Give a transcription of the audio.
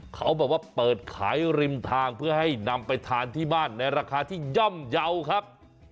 เขาบอกว่าเปิดขายริมทางเพื่อให้นำไปทานที่บ้านในราคาที่ย่อมเยาว์ครับ